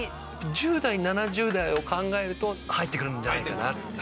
１０代７０代を考えると入ってくるんじゃないかな。